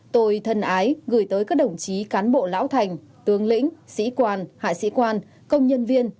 tôi thân ái gửi tới các đồng chí cán bộ lão thành tướng lĩnh sĩ quan hạ sĩ quan công nhân viên